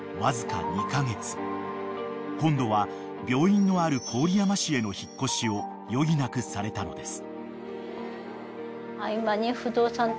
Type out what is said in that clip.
［今度は病院のある郡山市への引っ越しを余儀なくされたのです］